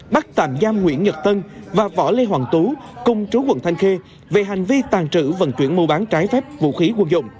bắt tạm giam nguyễn nhật tân và võ lê hoàng tú công chúa quận thanh khê về hành vi tăng chữ vận chuyển mô bán trái phép vũ khí quân dụng